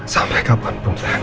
sampai kapanpun teng